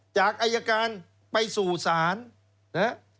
จากอัยการไปสู่ศาล